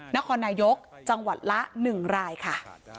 นครนายกจังหวัดละ๑รายค่ะ